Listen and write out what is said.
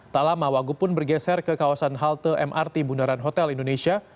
tak lama wagub pun bergeser ke kawasan halte mrt bundaran hotel indonesia